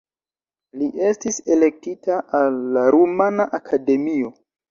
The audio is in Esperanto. Li estis elektita al la Rumana Akademio.